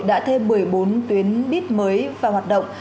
đã thêm một mươi bốn tuyến buýt mới vào hoạt động